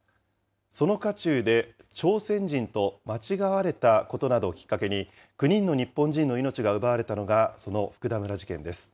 その渦中で、朝鮮人と間違われたことなどをきっかけに、９人の日本人の命が奪われたのが、その福田村事件です。